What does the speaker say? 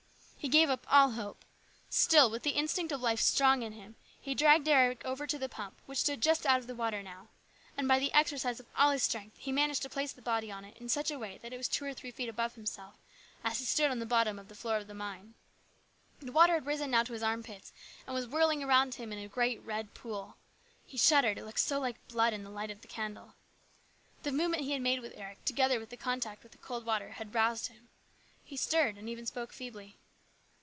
He gave up all hope. Still, with the instinct of life strong in him, he dragged Eric over to the pump, which stood just out of the water now ; and by the THE RESCUE. 69 exercise of all his strength he managed to place the body upon it in such a way that it was two or three feet above himself as he stood on the bottom of the floor of the mine. The water had risen now to his armpits, and was whirling around him in a great red pool. He shuddered, it looked so like blood in the light of the candle. The movement he had made with Eric, together with the contact with the cold water, had roused him. He stirred and even spoke feebly.